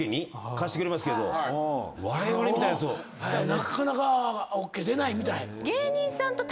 なかなかＯＫ出ないみたい。